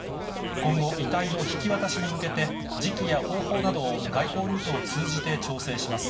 今後、遺体の引き渡しに向けて、時期や方法などを外交ルートを通じて調整します。